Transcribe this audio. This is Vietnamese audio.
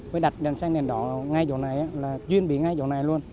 mới đặt đèn xanh đèn đỏ ngay chỗ này là chuyên bị ngay chỗ này luôn